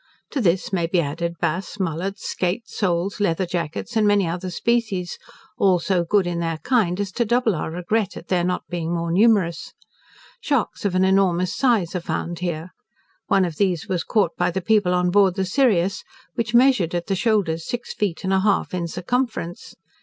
To this may be added bass, mullets, skait, soles, leather jackets, and many other species, all so good in their kind, as to double our regret at their not being more numerous. Sharks of an enormous size are found here. One of these was caught by the people on board the Sirius, which measured at the shoulders six feet and a half in circumference.